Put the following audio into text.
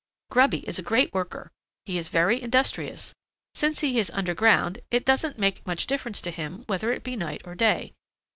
"Grubby is a great worker. He is very industrious. Since he is underground, it doesn't make much difference to him whether it be night or day.